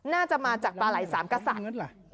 น่าจะมาจากปลาไหล่สามกษัตริย์